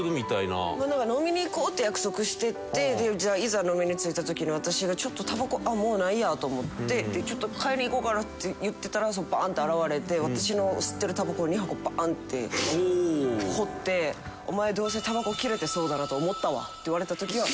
なんか飲みに行こうって約束しててじゃあいざ飲みに着いた時に私が「ちょっとタバコあっもうないや」と思って「ちょっと買いに行こうかな」って言ってたらバン！って現れて私の吸ってるタバコ２箱バンってほって「お前どうせタバコ切れてそうだなと思ったわ」って言われた時は。